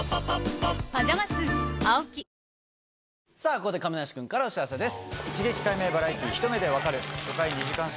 ここで亀梨くんからお知らせです。